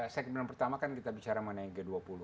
segmen pertama kan kita bicara mengenai g dua puluh